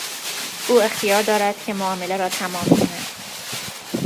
او اختیار دارد که معامله را تمام کند.